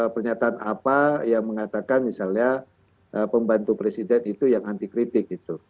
pernyataan apa yang mengatakan misalnya pembantu presiden itu yang anti kritik gitu